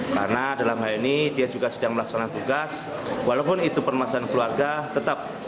karena dalam hal ini dia juga sedang melaksanakan tugas walaupun itu permasalahan keluarga tetap